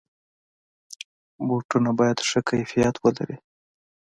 بوټونه باید ښه کیفیت ولري.